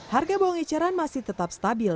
harga bawang eceran masih tetap stabil